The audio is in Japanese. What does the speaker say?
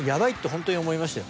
本当に思いましたよ。